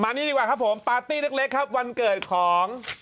อันนี้ดีกว่าครับผมปาร์ตี้เล็กครับวันเกิดของ